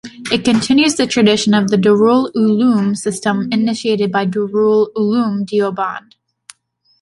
It continues the tradition of the Darul uloom system initiated by Darul Uloom Deoband.